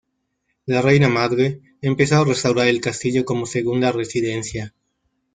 La Reina Madre empezó a restaurar el castillo como segunda residencia.